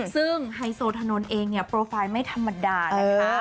ซึ่งไฮโซถนนเองเนี่ยโปรไฟล์ไม่ธรรมดานะคะ